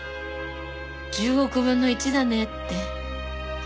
「１０億分の１だね」って。